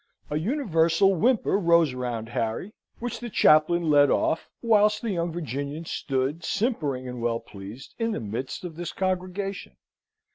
A universal whimper arose round Harry, which the chaplain led off, whilst the young Virginian stood, simpering and well pleased, in the midst of this congregation.